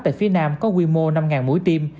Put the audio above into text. tại phía nam có quy mô năm mũi tiêm